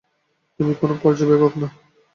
তুমি কোনো পর্যাবেক্ষক না।